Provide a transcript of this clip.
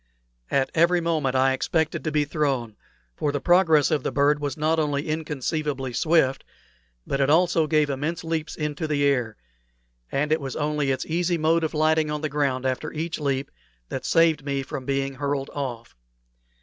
Every moment I expected to be thrown, for the progress of the bird was not only inconceivably swift, but it also gave immense leaps into the air; and it was only its easy mode of lighting on the ground after each leap that saved me from being hurled off.